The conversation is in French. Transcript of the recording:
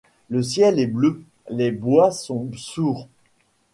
Le ciel est bleu, les bois sont sourds.